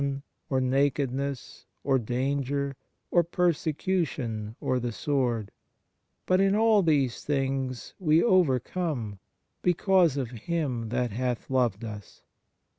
59 THE MARVELS OF DIVINE GRACE nakedness, or danger, or persecution, or the sword ? But in all these things we overcome because of Him that hath loved us."